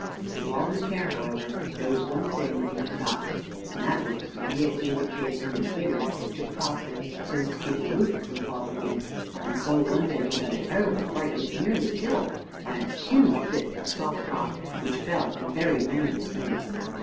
With all his care, however, there was one thing that he forgot, and that was, when he had made the cave so much bigger, to prop it, so as to keep the roof from falling in. And so one day he got a terrible fright, and was nearly killed, by a huge bit of the soft rock which fell and buried many of his things.